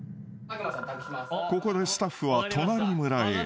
［ここでスタッフは隣村へ。